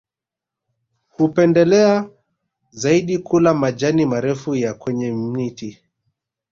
Hupendelea zaidi kula majani marefu ya kwenye miti